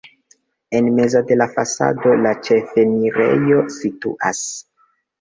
En mezo de la fasado la ĉefenirejo situas.